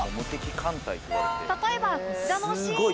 例えばこちらのシーン